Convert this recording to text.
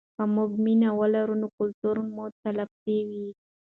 که موږ مینه ولرو نو کلتور مو تلپاتې وي.